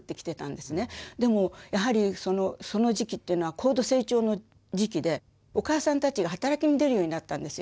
でもやはりその時期っていうのは高度成長の時期でお母さんたちが働きに出るようになったんですよ。